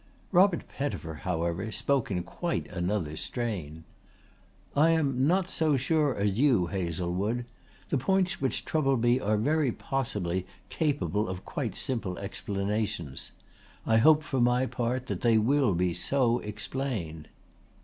Robert Pettifer, however, spoke in quite another strain. "I am not so sure as you, Hazlewood. The points which trouble me are very possibly capable of quite simple explanations. I hope for my part that they will be so explained."